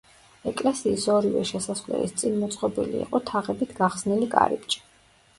ეკლესიის ორივე შესასვლელის წინ მოწყობილი იყო თაღებით გახსნილი კარიბჭე.